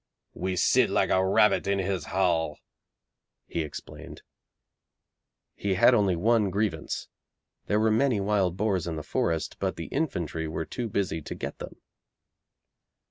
'We sit like a rabbit in his hall,' he explained. He had only one grievance. There were many wild boars in the forest, but the infantry were too busy to get them.